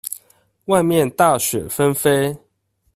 外面大雪紛飛